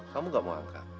kamu gak mau angkat